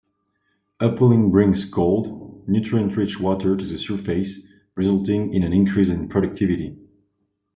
Upwelling brings cold, nutrient-rich water to the surface resulting in an increase in productivity.